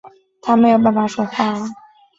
他没有办法说话